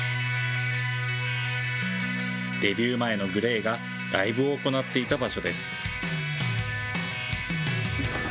デビュー前のＧＬＡＹがライブを行っていた場所です。